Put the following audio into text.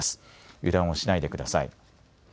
油断をしないでください。